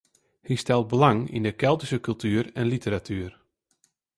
Hy stelt belang yn de Keltyske kultuer en literatuer.